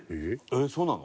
えっそうなの？